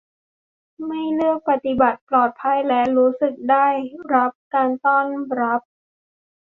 ไม่เลือกปฏิบัติ ปลอดภัยและรู้สึกได้รับการต้อนรับ